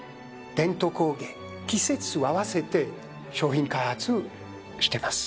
季節合わせて商品開発してます。